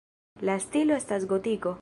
La stilo estas gotiko.